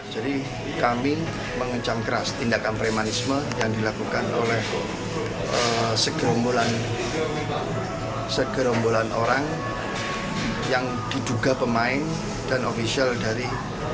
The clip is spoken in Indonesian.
jadi kami mengencang keras tindakan premanisme yang dilakukan oleh segerombolan orang yang diduga pemain dan ofisial dari